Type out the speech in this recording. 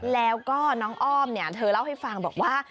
แล้วก็น้องอ้อมเธอเล่าให้ฟังบอกว่า